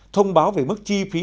thông báo về mức chi phí